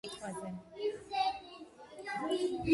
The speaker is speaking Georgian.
ცნობისმოყვარე სტუმარს ღმერთებმა პასუხი გასცეს ყველა კითხვაზე.